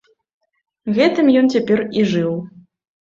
Гэтым ён цяпер і жыў.